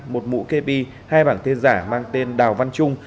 một mũ kp hai bảng tên giả mang tên đào văn trung